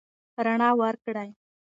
رڼا ورکړئ.